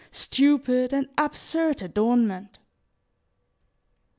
Stupid and absurd adornment."